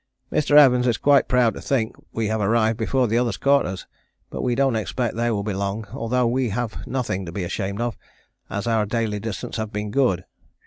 Mr. Evans is quite proud to think we have arrived before the others caught us, but we don't expect they will be long although we have nothing to be ashamed of as our daily distance have been good.